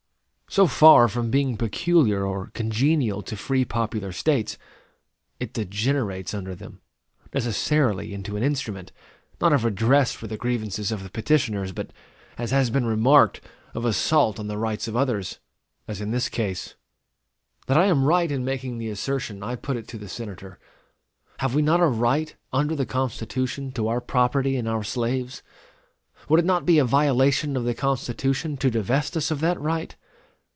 So far from being peculiar or congenial to free popular States, it degenerates under them, necessarily, into an instrument, not of redress for the grievances of the petitioners, but as has been remarked, of assault on the rights of others, as in this case. That I am right in making the assertion, I put it to the Senator Have we not a right under the Constitution to our property in our slaves? Would it not be a violation of the Constitution to divest us of that right?